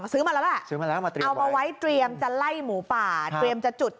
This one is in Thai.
ซื้อมาแล้วล่ะเอามาไว้เตรียมจะไล่หมูป่าเตรียมจะจุด